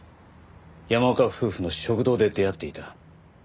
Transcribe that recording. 山岡夫婦の食堂で出会っていた。